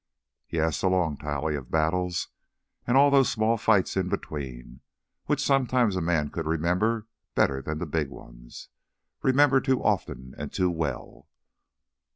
Yes, a long tally of battles, and all those small fights in between which sometimes a man could remember better than the big ones, remember too often and too well.